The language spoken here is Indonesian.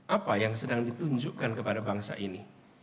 apa yang sedang ditunjukkan kepada bangsa ini